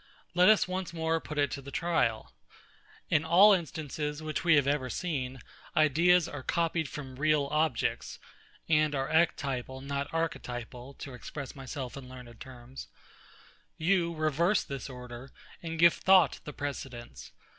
Let us once more put it to trial. In all instances which we have ever seen, ideas are copied from real objects, and are ectypal, not archetypal, to express myself in learned terms: You reverse this order, and give thought the precedence.